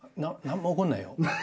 何も起こんないよ？